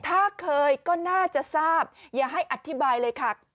ถ้าเคยก็น่าจะทราบอย่าให้อธิบายเลยค่ะ